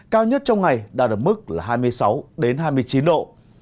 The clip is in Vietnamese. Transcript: cao nhất trong ngày đạt được mức hai mươi sáu hai mươi chín độ